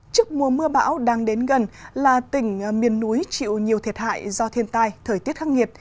trước mùa mưa bão đang đến gần là tỉnh miền núi chịu nhiều thiệt hại do thiên tai thời tiết khắc nghiệt